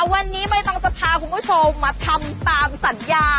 วันนี้ใบตองจะพาคุณผู้ชมมาทำตามสัญญา